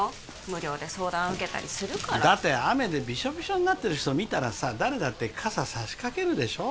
無料で相談受けたりするからだって雨でビショビショになってる人見たらさ誰だって傘さしかけるでしょ？